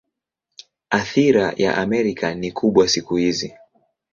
Athira ya Amerika ni kubwa siku hizi.